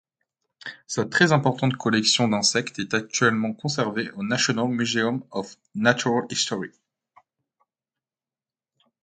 Sa très importante collection d’insectes est actuellement conservée au National Museum of Natural History.